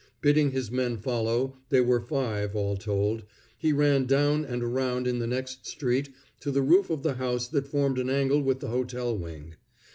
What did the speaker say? Bidding his men follow, they were five, all told, he ran down and around in the next street to the roof of the house that formed an angle with the hotel wing.